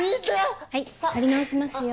はい貼り直しますよ。